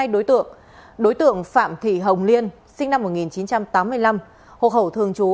hai đối tượng đối tượng phạm thị hồng liên sinh năm một nghìn chín trăm tám mươi năm hộ khẩu thường trú